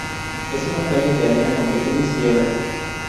Es una playa de arena con pequeñas piedras.